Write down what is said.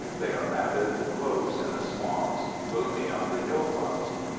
They are matted close in the swamps, plumy on the hilltops.